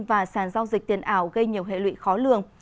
và sàn giao dịch tiền ảo gây nhiều hệ lụy khó lường